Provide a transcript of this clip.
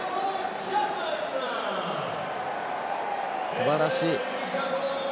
すばらしい。